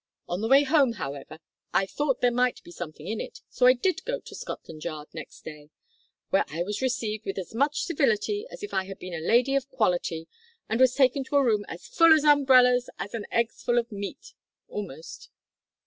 On the way home, however, I thought there might be something in it, so I did go down to Scotland Yard next day, where I was received with as much civility as if I had been a lady of quality, and was taken to a room as full of umbrellas as an egg's full of meat almost.